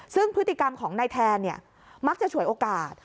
ซึ่งพฤติกรรมของนายแทนมักจะฉวยโอกาส